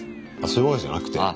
そういうわけじゃなくて？